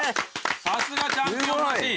さすがチャンピオンマシン。